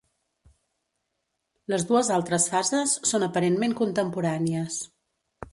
Les dues altres fases són aparentment contemporànies.